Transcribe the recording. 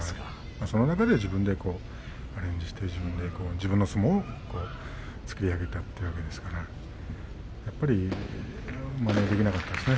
その中で自分でアレンジして自分の相撲を作り上げていったわけですからやっぱりまねできなかったですね。